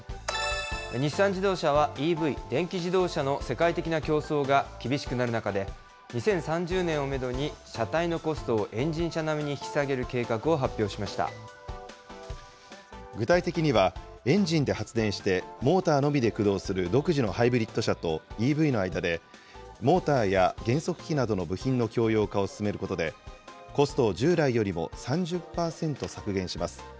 日産自動車はＥＶ・電気自動車の世界的な競争が厳しくなる中で、２０３０年をメドに車体のコストをエンジン車並みに引き下げる計具体的には、エンジンで発電して、モーターのみで駆動する独自のハイブリッド車とＥＶの間で、モーターや減速機などの部品の共用化を進めることで、コストを従来よりも３０％削減します。